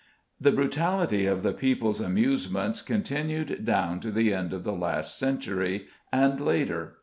The brutality of the people's amusements continued down to the end of the last century, and later.